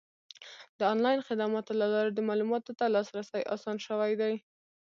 د آنلاین خدماتو له لارې د معلوماتو ته لاسرسی اسان شوی دی.